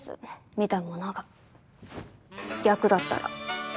見たものが逆だったら？